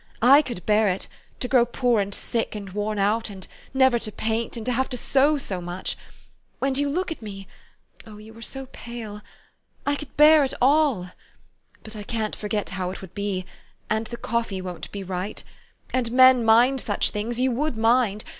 / could bear it, to grow poor and sick and worn out, and never to paint, and to have to sew so much ! When you look at me, (oh, you are so pale !) I could 198 THE STORY OF AVIS. bear it all. But I can't forget how it would be and the coffee wouldn't be right. And men mind such things you would mind.